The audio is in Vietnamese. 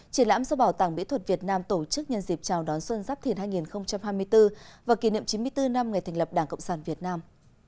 triển lãm do bảo tàng mỹ thuật việt nam tổ chức nhân dịp chào đón xuân giáp thìn hai nghìn hai mươi bốn và kỷ niệm chín mươi bốn năm ngày thành lập đảng cộng sản việt nam